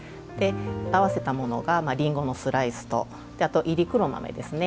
合わせたものがりんごのスライスとあと、いり黒豆ですね。